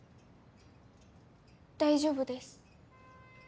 大丈夫です。